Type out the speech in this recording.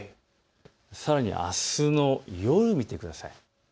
さらにあすの夜を見てください。